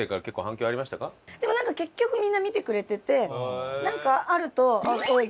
でもなんか結局みんな見てくれててなんかあるとおい